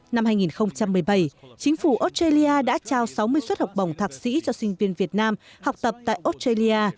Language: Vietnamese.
năm hai nghìn một mươi bảy chính phủ australia đã trao sáu mươi suất học bổng thạc sĩ cho sinh viên việt nam học tập tại australia